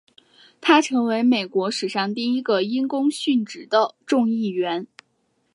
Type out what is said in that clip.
他成为美国史上第一个因公殉职的众议员。